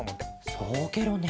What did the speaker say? そうケロね。